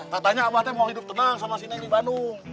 katanya abah teh mau hidup tenang sama si neng di bandung